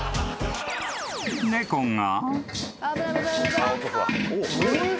［猫が］